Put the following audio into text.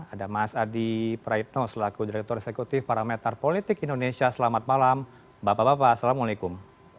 ada mas adi praitno selaku direktur eksekutif parameter politik indonesia selamat malam bapak bapak assalamualaikum